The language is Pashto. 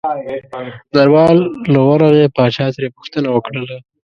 دربار له ورغی پاچا ترې پوښتنه وکړله.